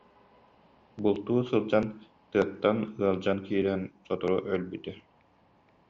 Бултуу сылдьан тыаттан ыалдьан киирэн сотору өлбүтэ